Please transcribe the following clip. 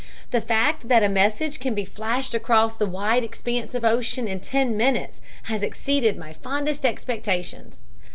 "The fact that a message can be flashed across the wide expanse of ocean in ten minutes has exceeded my fondest expectations.